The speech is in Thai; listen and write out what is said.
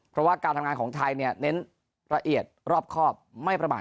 เพราะว่าการทำงานของไทยเน้นละเอียดรอบครอบไม่ประมาท